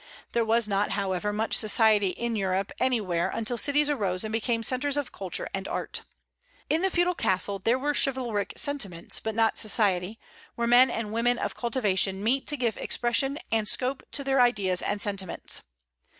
There was not, however, much society in Europe anywhere until cities arose and became centres of culture and art. In the feudal castle there were chivalric sentiments but not society, where men and women of cultivation meet to give expression and scope to their ideas and sentiments.